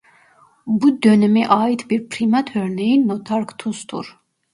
Bu döneme ait bir primat örneği "Notharctus"'tur.